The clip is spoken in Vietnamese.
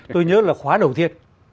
tôi nhớ là khóa đầu tiên